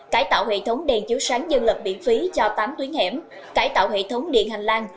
cải tạo hệ thống đèn chiếu sáng dân lập miễn phí cho tám tuyến hẻm cải tạo hệ thống điện hành lang